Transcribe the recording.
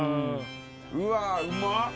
うわー、うまっ。